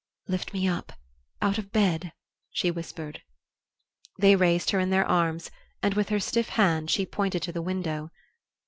"Lift me up out of bed," she whispered. They raised her in their arms, and with her stiff hand she pointed to the window.